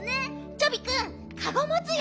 チョビくんかごもつよ。